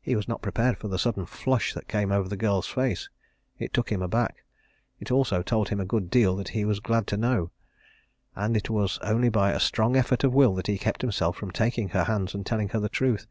He was not prepared for the sudden flush that came over the girl's face. It took him aback. It also told him a good deal that he was glad to know and it was only by a strong effort of will that he kept himself from taking her hands and telling her the truth.